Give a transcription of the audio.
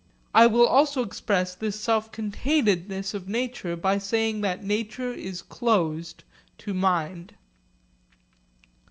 I will also express this self containedness of nature by saying that nature is closed to mind.